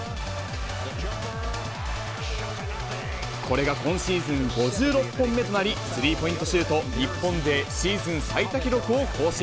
これが今シーズン５６本目となり、スリーポイントシュート日本勢シーズン最多記録を更新。